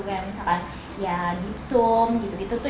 kayak misalkan ya gipsum gitu